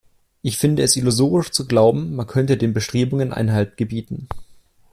Ich finde es illusorisch zu glauben, man könne den Bestrebungen Einhalt gebieten.